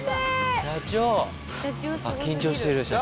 あっ緊張してる社長。